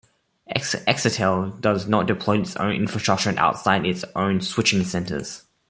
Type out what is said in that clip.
Exetel does not deploy its own infrastructure outside of its own switching centres.